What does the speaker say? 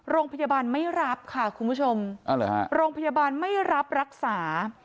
โรงพยาบาลไม่รับค่ะคุณผู้ชมโรงพยาบาลไม่รับรักษา